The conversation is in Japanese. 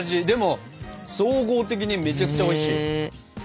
でも総合的にめちゃくちゃおいしい。